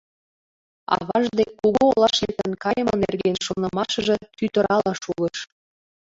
Аваж дек кугу олаш лектын кайыме нерген шонымашыже тӱтырала шулыш.